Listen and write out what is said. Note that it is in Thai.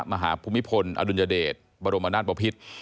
ภูมิพลอดุลยเดชบรมนาศปภิษ